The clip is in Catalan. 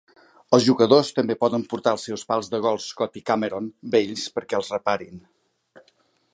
Els jugadors també poden portar els seus pals de gols Scotty Cameron vells perquè els reparin.